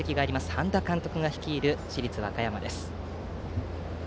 半田監督が率いる市立和歌山です。